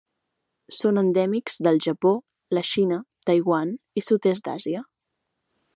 Són endèmics del Japó, la Xina, Taiwan i sud-est d'Àsia.